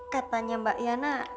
katanya mbak yana